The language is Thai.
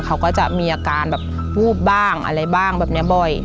เขาก็จะมีอาการแบบวูบบ้างอะไรบ้างแบบนี้บ่อย